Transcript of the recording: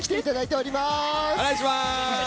お願いします。